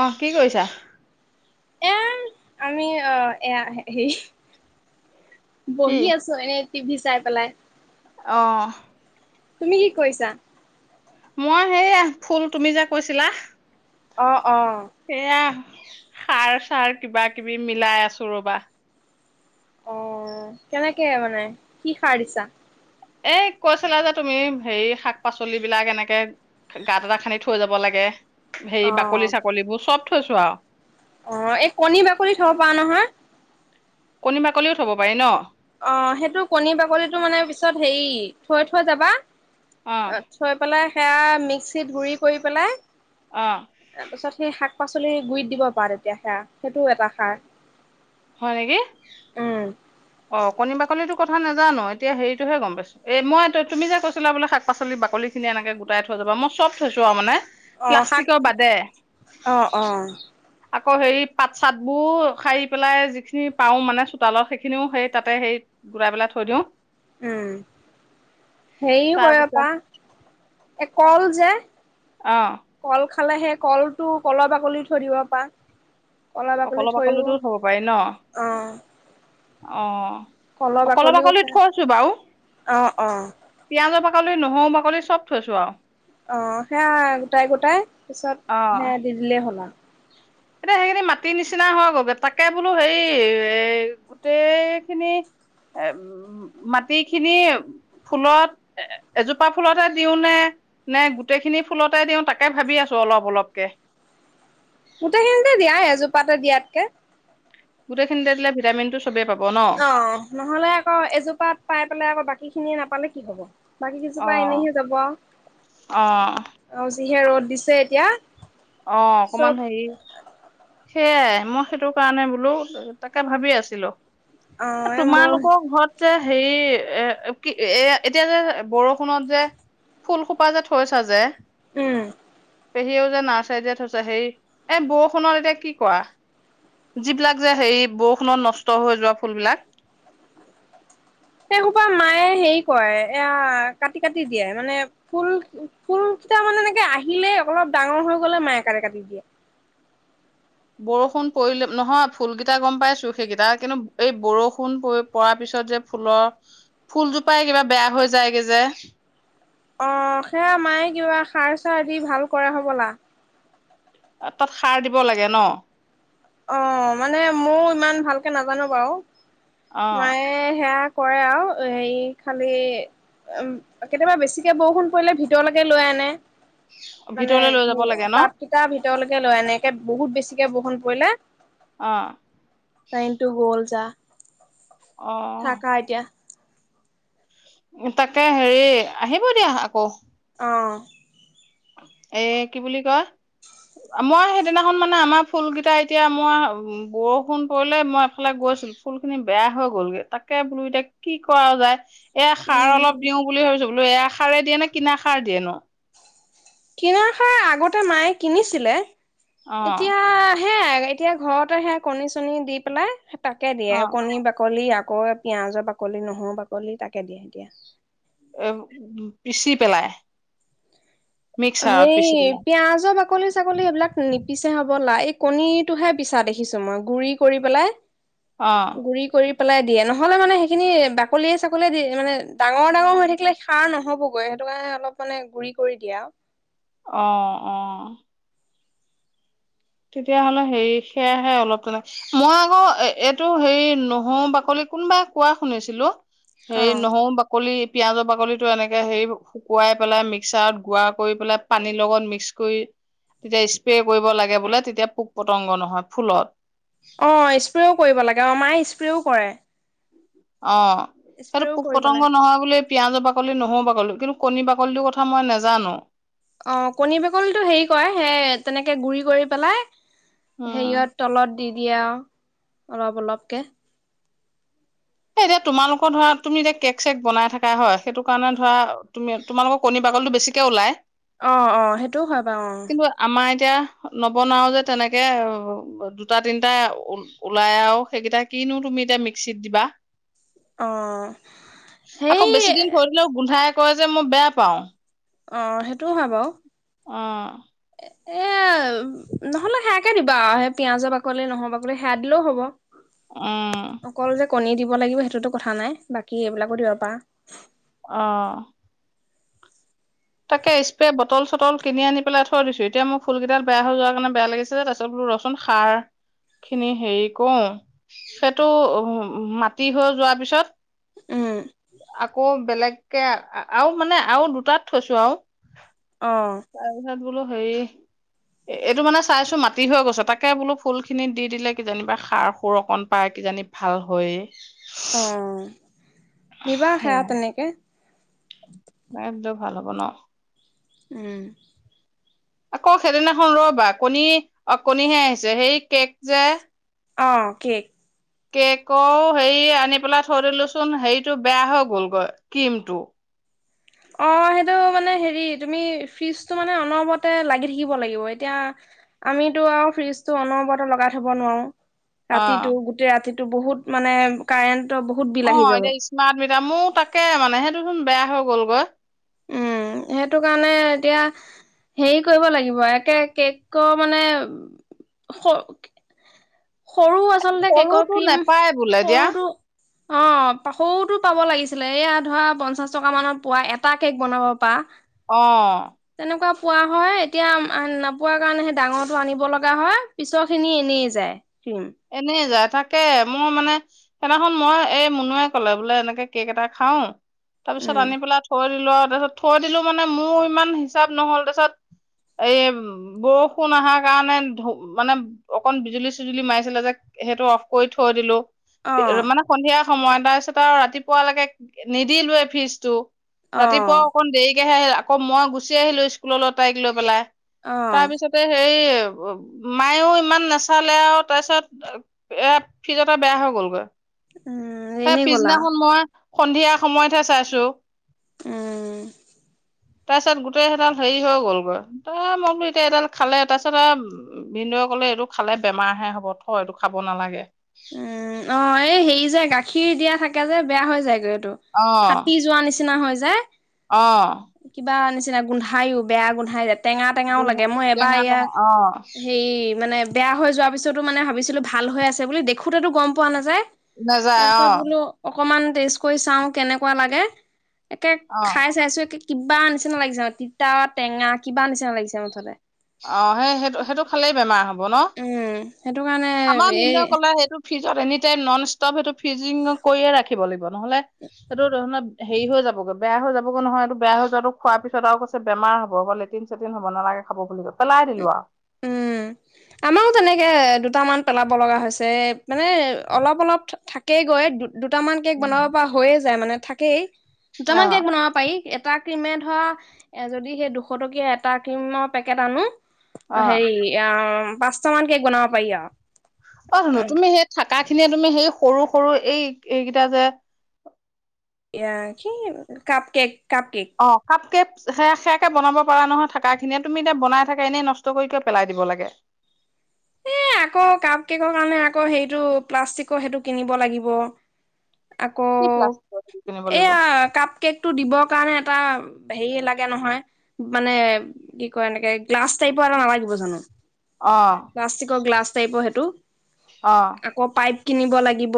অ কি কৰিছা। এয়া আমি আহ এয়া হেই, কি? বহি আছো এ টিভি চাই পেলাই। অ তুমি কি কৰিছা। মই সেইয়া ফুল তুমি যে কৈছিলা। অ অ', সেয়া। সাৰ চাৰ কিবা কিবি মিলাই আছো ৰবা। অ কেনেকে মানে কি সাৰ দিছা। এই কৈছিলা যে তুমি হেৰি শাক পাচলিবিলাক এনেকে গাঁত এটা খান্দি থৈ যাব লাগে। সেই অ', বাকলি চাকলিবোৰ চব, থৈছো আও, অ এই কণী বাকলি থব পৰাৰ নহয় কণী বাকলিও থব পাৰি ন অ সেইটো কণী বাকলিটো মানে পিছত হেৰি থৈ থৈ যাবা অ থৈ পেলাই সেয়া মিক্সিত গুৰি কৰি পেলাই অ', তাৰপিছত সেই শাক শাক পাচলিৰ গুৰিত দিব পা তেতিয়া সেয়া সেইটোও এটা সাৰ হয় নেকি উম। অ কণী বাকলিটো কথা নাজানো এতিয়া হেৰিটোহে গম পাইছো এ এই মই তুমি যে কৈছিলা বোলে শাক পাচলি বাকলিখিনি এনেকে গোটাই থৈ যাবা মই চব থৈছো আও মানে অ শাক প্লাষ্টিকৰ বাদে। অহ অহ আকৌ হেৰি পাত চাতবোৰ সাৰি পেলাই যিখিনি পাও মানে চোতালৰ সেই সেখিনিও সেই তাতে সেই গোটাই পেলাই থৈ দিও উম হেৰিও কৰিব তাৰপিছত পা এ কল যে অহ কল খালে সেই কল টো কলৰ বাকলি থৈ দিব পা অ কলা বাকলিতো থব পাৰি ন অ অ কলা বাকলিও থৈছো বাও অ', অ'। পিয়াজৰ বাকলি বাকলি নহও বাকলি চব থৈছো আও অ সেয়া গোটাই গোটাই পিছত অ সেয়া দি দিলেই হ'ল আৰু এতিয়া সেইখিনি মাটি নিচিনা হৈ গল তাকে বোলো হেৰি এ গোটেই খিনি এ মাটি খিনি ফুলত এ এজোপা ফুলতে দিও নে নে গোটেইখিনি ফুলতে দিওঁ তাকে ভাবি আছো অলপ অলপকে গোটেইখিনিতে দিয়াই এজোপাতে দিয়াতকে গোটেইখিনিতে‌ দিলে ভিটামিনতো অ নহ'লে আকৌ এজোপাত পাই পেলাই আকৌ বাকী খিনিয়ে নাপালে কি হ'ব বাকী কিছুপা অ', এনেইহে যাব অ', আও যিহে ৰ'দ দিছে এতিয়া অ অকমান চব হেৰি সেইয়াই মই সেইটো কাৰণে বোলো তাকে ভাবি আছিলো অ এই মহ তোমালোকৰ ঘৰত যে হেৰি এ কি এ এতিয়া যে বৰষুণত যে ফুলসোপা যে থৈছ যে উম পেহীও যে নাৰ্চ ৰী যে থৈছ হেই এ বৰষুণত এতিয়া কি কোৱা যিবিলাক যে হেই বৰষুণত নষ্ট হৈ যোৱা ফুলবিলাক সেই সোপা মায়ে হেৰি কয় এয়া কাটি কাটি দিয়ে মানে ফুল ফুল কেইটা মানে এনেকে আহিলেই অলপ ডাঙৰ হৈ গলে মায়ে কাটি কাটি দিয়ে বৰষুণ পৰিলে নহয় ফুলকেইটা গম পাইছো সেইকেইটা কিন্তু এই বৰষুণ পৰাৰ পিছত যে ফুলৰ ফুলজোপাই কিবা বেয়া হৈ যায়গে যে অ সেয়া মায়ে কিবা সাৰ চাৰ দি ভাল কৰে হ'বলা তাত সাৰ দিব লাগে ন অ মানে মোৰ ইমান ভালকে নাজানো বাৰু অ মায়ে সেয়া কৰে আও হেৰি খালি উ কেতিয়াবা বেছিকে বৰষুণ পৰিলে ভিতৰলৈকে লৈ আনে মানে ভিতৰলৈ লৈ যাব হে লাগে ন তাপ কেইটা ভিতৰলৈকে লয় এনেকে বহুত বেছি এনেকে বৰষুণ পৰিলে অ কাৰেণ্টটো গ'ল যা অ থাকা এতিয়া তাকে হেৰি আহিব দিয়া আকৌ। অঁ এ কি বুলি কয় মই সেইদিনাখন মানে আমাৰ ফুল কেইটা এতিয়া মই বৰষুণ পৰিলে মই এফালে গৈছিলো ফুল খিনি বেয়া হৈ গলগৈ তাকে বোলো এতিয়া কি কৰা যায়। এ সাৰ উম অলপ দিওঁ বুলি ভাবিছো। বোলো এ সাৰ দিয়ে ন কিনা সাৰ দিয়ে নো? কিনা সাৰ আগতে ততে মায়ে কিনিছিলে অ এতিয়া হে এতিয়া ঘৰতেহে কণী চণী দি পেলাই তাকে অ দিয়ে কণী বাকলি। আকৌ পিয়াজৰ বাকলি নহৰু বাকলি তাকে দিয়ে এতিয়া। এ পিচি পেলাই। মিক্সাৰত হেই পিচি পেলাই পিয়াজৰ বাকলি চাকলি এইবিলাক নিপিচে হব লা কণীতটোহে পিছা দেখিছো মই গুৰি কৰি পেলাই অ গুৰি কৰি পেলাই দিয়ে নহলে মানে সেইখিনি বাকলিয়ে চাকলিয়ে দি মানে ডাঙৰ ডাঙৰ হৈ থাকিলে খাৰ নহ'বগৈ সেইটো কাৰণে অলপ মানে গুৰি কৰি দিয়ে আৰু অ অ তেতিয়াহলে হেৰি সেয়াহে অলপ তেনে মই আকৌ এইটো হেৰি নহৰু বাকলি কোনোবাই কোৱা শুনিছিলো অ সেই নহৰু বাকলি পিয়াজৰ বাকলিটো এনেকে হেৰি শুকুৱাই পেলাই মিক্সাৰত গুৰা কৰি পেলাই পানীৰ লগত মিক্স কৰি তেতিয়া স্প্ৰে কৰিব লাগে বোলে তেতিয়া পোক পতংগ নহয় ফুলত। অ স্প্ৰেও কৰিব লাগে। মাই স্প্ৰেও কৰে অ। হেটো স্প্ৰেও পোক কৰিব পটংগ লাগে নহয় বুলি পিঁয়াজৰ বাকলি নহৰু বাকলি কিন্তু কণী বাকলিটোৰ কথা মই নেজানো। অ কণী বাকলিটো হেৰি কয় সেই তেনেকে গুৰি কৰি পেলাই উম হেৰিয়ত তলত দি দিয়া আৰু অলপ অলপকে। এ এতিয়া তোমালোকৰ ধৰা তুমি এতিয়া কেক চেক বনাই থাকা হয় সেইটো কাৰণে ধৰা তুমি তোমালোকৰ কণী বাকলিটো বেছিকে ওলাই। অ অ সেইটোও হয় বাৰু অ। আমাৰ এতিয়া নবনাও যে তেনেকে দুটা তিনটা ওলাই আৰু সেইকেইটা কিনো তুমি এতিয়া মিক্সিত দিবা। অ আকৌ সেই বেছি দিন থৈ দিলেও গোন্ধাই। কয় যে মই বেয়া পাওঁ। অ সেইটোও হয় বাৰু। অ এ নহলে সেয়াকে দিবা আৰু সেই পিয়ঁয়াজৰ বাকলি, নহৰু বাকলি সেয়া দিলেও হ'ব। উম অকল যে কণী দিব দিব লাগিব সেইটোতো কথা নাই বাকী এইবিলাকো দিব পাৰা। উম তাকে স্প্ৰে বটল-চটল কিনি আনি পেলাই থৈ দিছো, এতিয়া মোৰ ফুল কেইডাল বেয়া হৈ যোৱা কাৰণে বেয়া লাগিছে যে তাৰপিছত বুলো ৰচুন সাৰখিনি হেৰি কৰো সেইটো উ মাটি হৈ যোৱাৰ পিছত উম আকৌ বেলেগ কে আৰু মানে আৰু দুটাত থৈছো আও। অ তাৰপিছত বোলো হেৰি এইটো মানে চাইছো মাটি হৈ গৈছে, তাকে বোলো ফুলখিনিত দি দিলে কিজানিবা সাৰ সুৰ অকন পায় কিজানি ভাল হইয়ে। অ দিবা হাৰ তেনেকে দিলোঁ ভাল হ'ব ন? উম আকৌ সেইদিনাখন ৰবা কণী অ কণীহে আহিছে হেৰি কেক যে অ কেক। কেকৰ হেৰি আনি পেলাই থৈ দিলোচোন হেৰিটো বেয়া হৈ গলগৈ ক্ৰীমটো। অ সেইটো মানে হেৰি তুমি ফ্ৰিজটো মানে অনবৰতে লাগি থাকিব লাগিব এতিয়া আমিতো আৰু ফ্ৰিজটো অনবৰতে লগাই থব নোৱাৰো। অ ৰাতিটো গোটেই ৰাতি বহুত মানে কাৰেণ্ট অ এতিয়া স্মাৰ্ট মিটাৰ মইয়ো তাকে মানে সেইটোচোন বেয়া হৈ গ'লগৈ। উম সেইটো কাৰণে এতিয়া হেৰি কৰিব লাগিব একে কেকৰ মানে স সৰু আচলতে কেকৰ সৰুটো ক্ৰীম নেপায় বোলে দিয়া সৰুটো অ পা সৰুটো পাব লাগিছিলে এয়া ধৰা পঞ্চাশ টকা মানত পোৱা এটা কেক বনাব পা অ তেনেকুৱা পোৱা হয় এতিয়া নাপোৱা কাৰণেহে ডাঙৰটো আনিব লগা হয় পিছৰখিনি এনেই যায়। উম এনেই যাই। তাকে মই মানে সেইদিনাখন মই এই মুনুৱে কলে বোলে এনেকে কেক এটা খাওঁ। তাৰপিছত উম আনি পেলাই থৈ লোৱা তাৰপিছত থৈ দিলো মানে মোৰ ইমান হিচাপ নহ'ল তাৰ পিছত এই বৰষুণ অহাৰ কাৰণে ধ মানে অকন বিজুলী চিজুলি মাৰিছে ছিলে যে সেইটো অফ কৰি থৈ দিলো অ মানে সন্ধিয়া সময় তাৰপিছত আৰু ৰাতিপুৱালৈকে নিদিলোে ফিজ টো অ ৰাতিপুৱা অকণ দেৰি [unintelligible] আকৌ মই গুচি আহিলো স্কুললৈ তাইক লৈ পেলাই অ তাৰপিছতে সেই মায়েও ইমান নাচালে আৰু তাৰ পিছত এয়া ফ্ৰিজ এটা বেয়া হৈ গ'লগে উম এ এনেই গ'লা পিছদিনাখন মই সন্ধিয়া সময়তহে চাইছো উ তাৰপিছত গোটেই সেইডাল হেৰি হৈ গ'লগৈ ত মই কলো এতিয়া এডাল খালে তাৰপিছত আৰু ভিনদেউৱে কলে এইটো খালে বেমাৰ হে হ'ব [unintelligible] টো আৰু খাব নালাগে উম অ এই হেৰি যে গাখীৰ দিয়া থাকে কে যে বেয়া হৈ যায়গৈ অ ফাটি যোৱা নিচিনা হয় যে অ চিনা গোন্ধাইও বেয়া গোন্ধাই [unintelligible] টেঙা টেঙাও গোন্ধ লাগে মই এবাৰ টেঙা এয়া টেঙা অ হেই মানে বেয়া হৈ যোৱাৰ পিছতো মানে ভাবিছিলোঁ ভাল হৈ আছে বুলি দেখোতে টো গম পোৱা নাযায় তাৰ নাযায় অ পিছত বোলো অকমান টেষ্ট কৰি চাওঁ কেনেকুৱা লাগে একে অ খাই চাইছো কিবা নিচিনা লাগিছে মানে তিতা টেঙা কিবা নিচিনা লাগিছে মুঠতে অ সেই সেইটো সেইটো খালেই বেমাৰ হ'ব ন সেইটো কাৰণে আমাৰ এই ভিন্ন কলাই সেইটো ফ্ৰিজত এনি টাইম নন ষ্টপ সেইটো ফ্ৰিজিং কৰিয়ে ৰাখিব লাগিব নহ'লে সেইটো ধৰনত হেৰি হৈ যাবগৈ বেয়া হৈ যাবগৈ নহয় এইটো বেয়া হৈ যাবটো খোৱাৰ পিছত আৰু কৈছে বেমাৰ হ'ব আকৌ লেটিন চেটিন হ'ব নালাগে খাব [unintelligible] আৰু। উম আমাৰো তেনেকে দু দুটামান পেলাব লগা হৈছে মানে অলপ অলপ থাকে গৈ দু দুটামান কেক বনাব উম। পৰা হৈয়ে যায় মানে থাকেই দুটা মান কেক অ', বনাব পাৰি এট এটা ক্ৰীমে ধৰ এ যদি সেই দুশ টকীয়া এটা ক্ৰীমৰ পেকেট আনো অ', সেৰি ইআ পাঁচট মান কেক বনাব পাৰি আৰু অ সোনো তুমি সে থাকা খিনিয়ে তুমি সেই সৰু সৰু এই এইকেইটা যে এ কি কাপ কেক কাপ কেক। অ কাপকেক সে সেয়াকে বনাব প নহয় থাক খিনিয়ে তুমি এতিয়া বনাই থাকা এনেই নষ্ট কৰিক পেলাই দিব লাগে এ আকৌ কাপ কেকৰ কাৰণে আকৌ হেৰিটো প্লাষ্টিকৰ সেইটো কিনিব লাগিব আকৌ কি প্লাষ্টিকৰ কিনিব লাগিব এয়া কাপ কেক টো দিবৰ কাৰণে এটা হেৰি লাগে নহয় মানে কি কয় এনেকে গ্লাছ টাইপৰ এটা নালাগিব জানো অ বিচাৰিব সেইটো অ', আকৌ পাইপ কিনিব লাগিব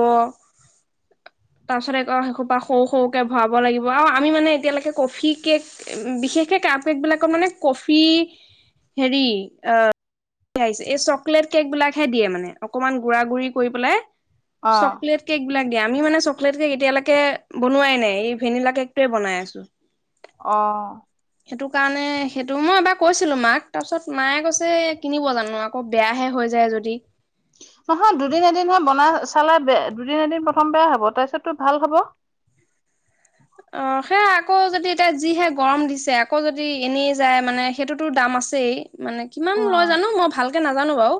তাৰ পিছতৌ এেইোপা সৰু সৰুকে ভৰাব লাগিব আৰু আমি মানে এতিয়ালৈকে কফি কেক বিশেষকে ক কেক বিলাকৰ মানে কফি হেৰি আহ আহি এই চকলেট কেক বিলাকহে দিয়ে মানে অকনমান গুড় গু়ৰী কৰি পেলাই অ', চকলেট কেক াক দিয় আমি মানে চলে কেক এতিয়ালৈকে বনোৱাই নাই এই ভেনিলা কেকটোৱে বনাই আছো অ সেইটো কাৰণে সেইটো মই এবাৰ কৈছিলো মাক তাৰপিছত মায়ে কৈছে কিনিব জানো আকৌ বেয়াহে হৈ যায় যদি নহয় দুদিন এদিনহে বনাই চালা বে দুদিন এদিন প্ৰথম বেয়া হ'ব তাৰপিছত তোৰ ভাল হ'ব অ সেয়া আকৌ যদি এতিয়া যিহে গৰম দিছে আকৌ যদি এনেই যায় মানে সেইটোতো দাম আছেই মানে কিমান লয় অ', জানো মই ভাল ে নাজানো বাৰু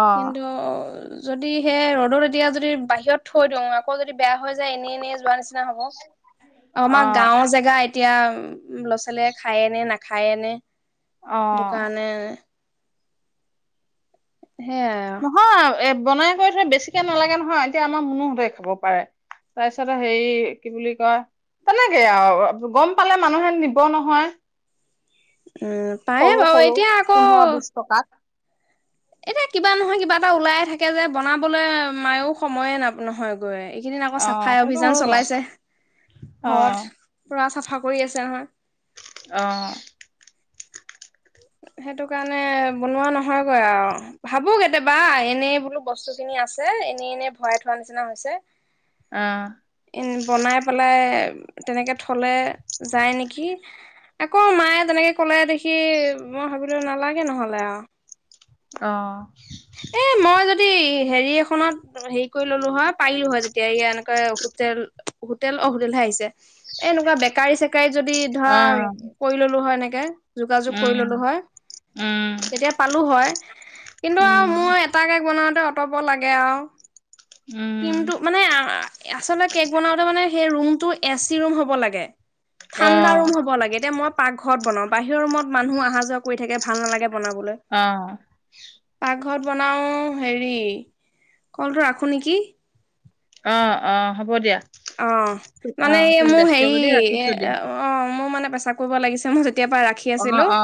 অ', কিন্তু যদি সে ৰ'দত এতিয়া যদি বাহিৰত থৈ দিওঁ আকৌ যদি বেয়া হৈ যায় এনেই এনেই যোৱা নিচিনা া হ'ব অ আমাৰ অ'। গাঁওৰ জেগা এতিয়া উ ল'ৰা ছোৱালীয়ে খায় আনে নাখায় আনে দোকানে সেয়াই নহয় এ বনাই কৰিৈ থৈ বেছিকে নালাগে নহয় এতিয়া আমাৰ মনোহতে খাব পাৰে তাৰপিছত হেৰি কি বুলি কয় তেনেকে আৰু গম পালে মানুহে নিব নহয় উম পায় সৰু বাৰু সৰু এতিয়া আকৌ পোন্ধৰ বিশ টকাত। এতিয়া কিবা নহয় কিবা এটা ওলাইে থাকে যে বনাবলৈ মায়েও সময়ে ন নহয় গৈ এইকেইদিন আকৌ অ', চাফাই সেইটো অভিযান হয় বাৰু অ', চলাইছে ঘৰত পুৰা চাফা কৰি আছে নহয় আহ সেইটো কাৰণে বনোৱা নহয়গৈ আৰু ভাবো কেতিয়াবা এনেই বোলো বস্তু খিনি আছে এনে এনে ভৰাই থোৱা নিচিনা হৈছে অ', এম বনাই পেলাই তেনেকে থলে যায় নেকি আকৌ মায়ে তেনেকে কলে দেখি মই ভাবিললৈ নালাগে নহ'লে আৰু। অ'। এ মই যদি হেৰি এখনত হেৰি কৰি ললোঁ হয় পাৰিলো হয় যেতিয়া এই এনেকে হোটেল হোটেল অহোটেলহে আহিছে এনেকুৱা বেকাৰী চে কাই যদি ধৰা অ', কৰি ল'লো হয় এনেকে কে যোগাযোগ কৰি ল'লো উম, হয়, উম, তেতিয়া পালো হয়। উম। তে অঁতব লাগে আৰু উম, ক্ৰীম টো মানে আচলতে কেক বনাওঁতে মানে সেই ৰুমটো এচি ৰুম হ'ব লাগে। ঠাণ্ডা অ', ৰুম হ'ব লাগে এ মই পাক ঘৰত বনাওঁ বাহিৰৰ ৰুমত মানুহ আহা যোৱা কৰি থাকে ভাল নালাগে। বনাবলৈ অ'। পাকঘৰত বনাও হেৰি, কলটো ৰাখো নেকি। [inaudible] অ', অ', হ'ব দিয়া। অ', মানে অ', এই তুমি মোৰ ব্যস্ত হেৰি যদি এ, ৰাখিছো দিয়া অ', মোৰ মানে পচাক কৰিব লাগিছে মই য কেতিয়াৰ পৰা ৰাখি আছিলো অ',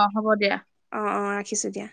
অ', ৰা ৰাখিছো দিয়া।